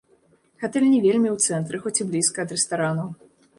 Гатэль не вельмі ў цэнтры, хоць і блізка ад рэстаранаў.